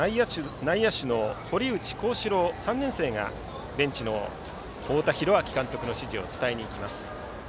内野手の堀内幸士朗、３年生がベンチの太田弘昭監督の指示を伝えにいきます。